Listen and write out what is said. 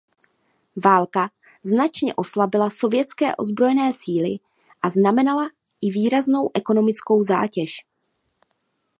Válka značně oslabila sovětské ozbrojené síly a znamenala i výraznou ekonomickou zátěž.